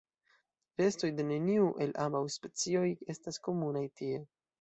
Restoj de neniu el ambaŭ specioj estas komunaj tie.